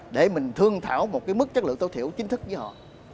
để mình thương thảo một cái mức chất lượng tối thiểu chính thức với họ